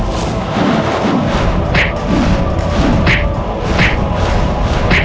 saat kamu sampai di rumah m champu itu